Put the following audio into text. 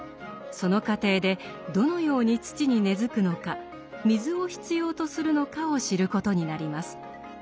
その過程でどのように土に根づくのか水を必要とするのかを知ることになります。